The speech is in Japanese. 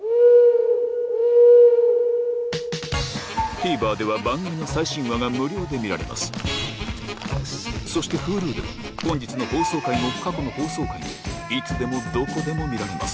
ＴＶｅｒでは番組の最新話が無料で見られますそしてＨｕｌｕでは本日の放送回も過去の放送回もいつでもどこでも見られます